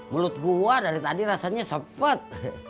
mulut gua dari tadi rasanya sempet